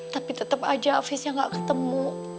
tapi tetep aja hafiznya gak ketemu